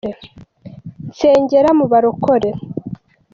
nsengera muba rokore